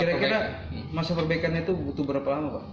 kira kira masa perbaikannya itu butuh berapa lama pak